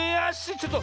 ちょっと。